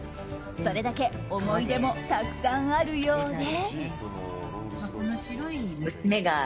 それだけ思い出もたくさんあるようで。